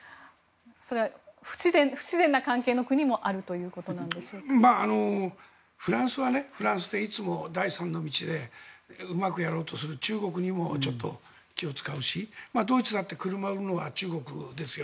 それは不自然な関係の国もフランスはフランスでいつも第三の道でうまくやろうとする中国にもちょっと気を使うしドイツだって車を売るのは中国ですよ。